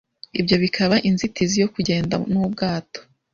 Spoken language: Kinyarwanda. ibyo bikaba inzitizi yo kugenda nubwato.